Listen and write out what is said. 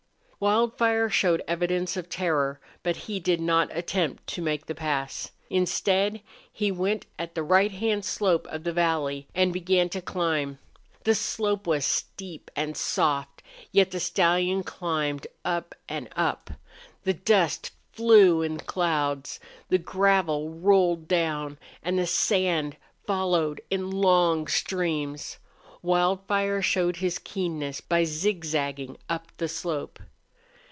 Wildfire showed evidence of terror, but he did not attempt to make the pass. Instead he went at the right hand slope of the valley and began to climb. The slope was steep and soft, yet the stallion climbed up and up. The dust flew in clouds; the gravel rolled down, and the sand followed in long streams. Wildfire showed his keenness by zigzagging up the slope.